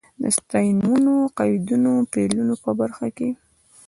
د ستاینومونو، قیدونو، فعلونو په برخه کې.